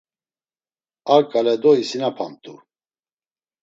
Ar ǩale do isinapamt̆u.